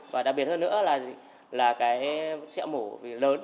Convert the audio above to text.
và đặc biệt hơn nữa là cái xe mổ lớn